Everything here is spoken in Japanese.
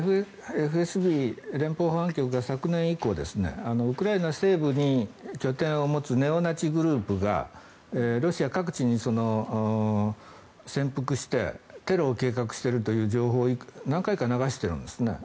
ＦＳＢ・連邦保安局が昨年以降ウクライナ西部に拠点を持つネオナチグループがロシア各地に潜伏してテロを計画しているという情報を何回か流しているんですね。